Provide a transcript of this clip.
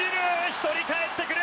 １人かえってくる。